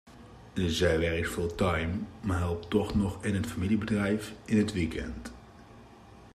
Zij werkt fulltime, maar helpt toch nog in het familiebedrijf in het weekend.